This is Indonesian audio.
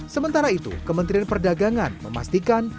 sementara itu kementerian perdagangan memastikan